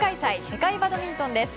世界バドミントンです。